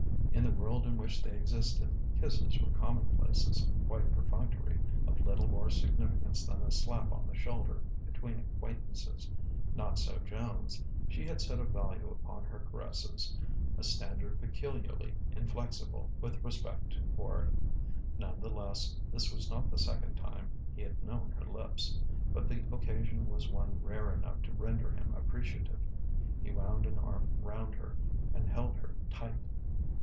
In the world in which they existed, kisses were commonplaces, quite perfunctory, of little more significance than a slap on the shoulder between acquaintances. Not so Joan's: she had set a value upon her caresses, a standard peculiarly inflexible with respect to Quard. None the less, this was not the second time he had known her lips. But the occasion was one rare enough to render him appreciative. He wound an arm round her, and held her tight.